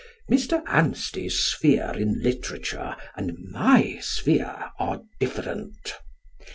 Mr. Anstey's sphere in literature and my sphere are different.